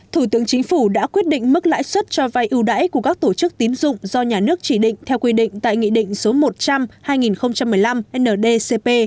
thủ tướng chính phủ đã quyết định mức lãi suất cho vay ưu đãi của các tổ chức tín dụng do nhà nước chỉ định theo quy định tại nghị định số một trăm linh hai nghìn một mươi năm ndcp